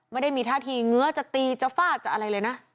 ไม่ได้มีท่าทีเงื้อจะตีจะฟาดจะอะไรเลยนะ